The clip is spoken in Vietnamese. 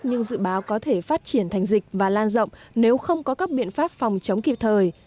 nhưng dự báo có thể phát triển thành dịch và lan rộng nếu không có các biện pháp phòng chống kịp thời